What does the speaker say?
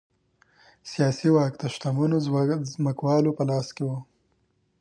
سیاسي واک د شتمنو ځمکوالو په لاس کې و